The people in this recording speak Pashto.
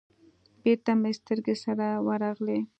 بېرته مې سترگې سره ورغلې.